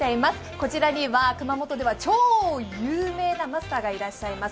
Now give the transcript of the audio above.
こちらには熊本では超有名なマスターがいらっしゃいます。